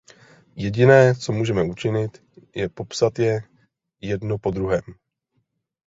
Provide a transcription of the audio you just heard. Jediné, co můžeme učinit, je popsat je jedno po druhém.